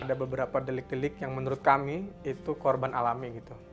ada beberapa delik delik yang menurut kami itu korban alami gitu